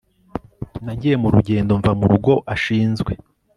nagiye mu rugendo, mva mu rugo ashinzwe